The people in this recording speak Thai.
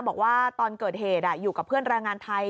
บอกว่าตอนเกิดเหตุอยู่กับเพื่อนแรงงานไทย